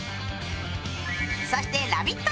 そして「ラヴィット！」